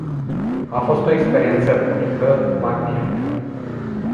A fost o experiență unică, magnifică.